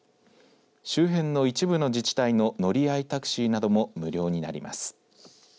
周辺の一部の自治体の乗り合いタクシーなども無料になります。